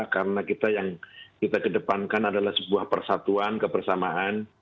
karena kita yang kita kedepankan adalah sebuah persatuan kebersamaan